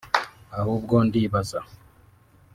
ahubwo ndibaza